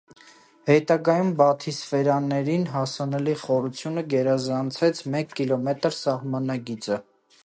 Հետագայում բաթիսֆերաներին հասանելի խորությունը գերազանցեց մեկ կիլոմետր սահմանագիծը։